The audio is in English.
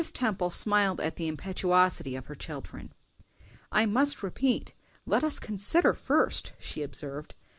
Temple smiled at the impetuosity of her children. "I must repeat, let us consider first," she observed.